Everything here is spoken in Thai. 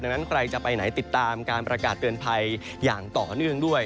ดังนั้นใครจะไปไหนติดตามการประกาศเตือนภัยอย่างต่อเนื่องด้วย